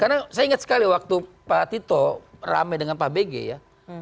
karena saya ingat sekali waktu pak tito rame dengan pak bg ya